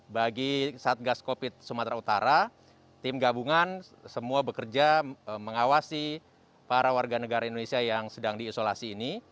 bagi satgas covid sumatera utara tim gabungan semua bekerja mengawasi para warga negara indonesia yang sedang diisolasi ini